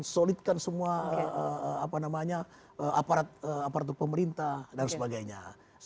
solidkan semua apa namanya aparat aparat pemerintah dan sebagainya